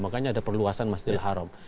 makanya ada perluasan masjidil haram